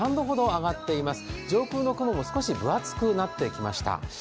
上空の雲も少し分厚くなってきました。